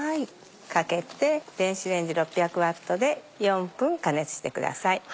かけて電子レンジ６００Ｗで４分加熱してください。